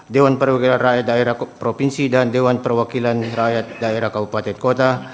dewan perwakilan rakyat daerah provinsi dan dewan perwakilan rakyat daerah kabupaten kota